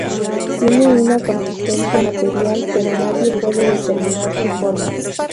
Tiene una consistencia material, pero nadie puede determinar su forma.